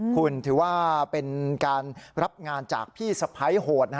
คุณถือว่าเป็นการรับงานจากพี่สะพ้ายโหด